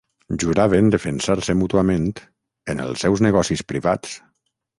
Juraven defensar-se mútuament... en els seus negocis privats!